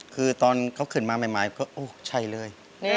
คือตอนเขาขึ้นมาใหม่ก็โอ้ใช่เลย